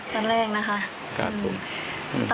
แฟนนิกส์